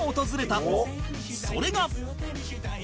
それが